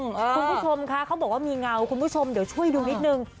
คุณผู้ชมคะเขาบอกว่ามีเงาคุณผู้ชมเดี๋ยวช่วยดูนิดนึง